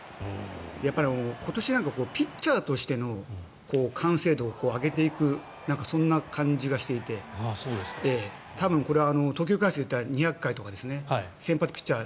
やっぱり今年ピッチャーとしての完成度を上げていくそんな感じがしていて多分、これは投球回数で言ったら２００回とか先発ピッチャー